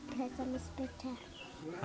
tablet sama sepeda